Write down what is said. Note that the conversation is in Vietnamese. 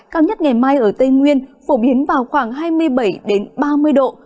cao nhất ngày mai ở tây nguyên phổ biến vào khoảng hai mươi bảy ba mươi độ